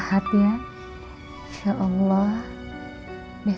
nanti aku akan bawa